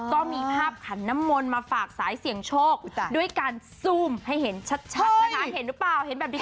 ก็มีภาพขันน้ำมนต์มาฝากสายเสี่ยงโชคด้วยการซุ่มให้เห็นชัดนะคะเห็นหรือเปล่าเห็นแบบนี้